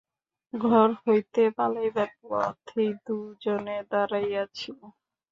ঘর হইতে পালাইবার পথেই দুজনে দাঁড়াইয়া ছিল।